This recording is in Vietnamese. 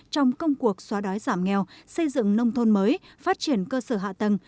trong công cuộc xóa đói giảm nghèo xây dựng nông thôn mới phát triển cơ sở hạ tầng